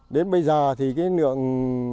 đến bây giờ thì cái lượng